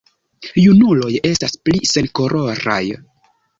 Junuloj estas pli senkoloraj.